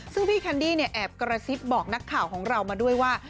ซึ่งพี่แคนดี้เนี่ยแอบกระซิบบอกนักข่าวของเรามาด้วยว่า